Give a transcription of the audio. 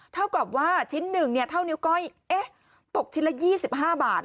เท่ากับว่าชิ้นหนึ่งเนี้ยเท่านิ้วก้อยเอ๊ะปกชิ้นละยี่สิบห้าบาท